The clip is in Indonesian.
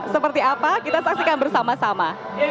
seperti apa kita saksikan bersama sama